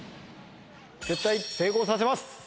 絶対成功させます！